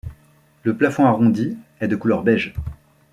Le plafond arrondi est de couleur beige.